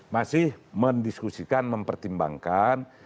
masih mendiskusikan mempertimbangkan